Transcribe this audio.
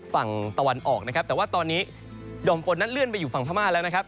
ฝั่งตะวันออกแต่ว่าตอนนี้ยอมฝนนั้นเลื่อนไปอยู่ฝั่งพม่าแล้ว